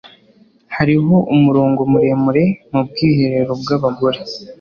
Hariho umurongo muremure mu bwiherero bwabagore.